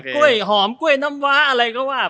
กล้วยหอมกล้วยน้ำว้าอะไรก็ว่า